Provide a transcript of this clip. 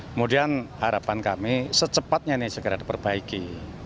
kemudian harapan kami secepatnya ini segera diperbaiki